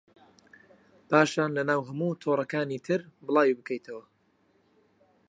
پاشان لەناو هەموو تۆڕەکانی تر بڵاوی بکەیتەوە